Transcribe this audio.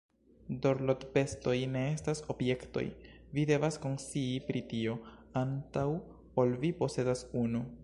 Dorlotbestoj ne estas objektoj, vi devas konscii pri tio antaŭ ol vi posedas unu.